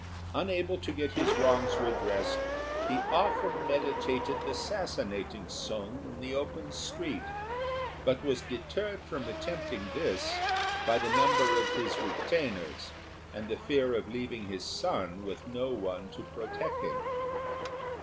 Unable to get his wrongs redressed, he often meditated assassinating Sung in the open street, but was deterred from attempting this by the number of his retainers and the fear of leaving his son with no one to protect him.